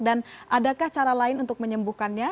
dan adakah cara lain untuk menyembuhkannya